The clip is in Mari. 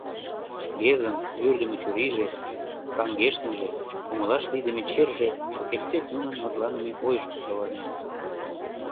Гезан вӱрдымӧ чурийже, каҥгештмыже, умылаш лийдыме черже шукертсек нунын мутланыме ойышко савырненыт.